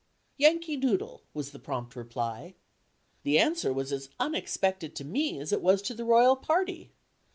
"Yankee Doodle," was the prompt reply. This answer was as unexpected to me as it was to the royal party.